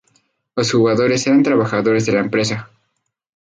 Los jugadores eran trabajadores de la empresa.